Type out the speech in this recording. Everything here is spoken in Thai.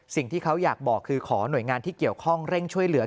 สิ่งที่เขาอยากบอกคือขอหน่วยงานที่เกี่ยวข้องเร่งช่วยเหลือ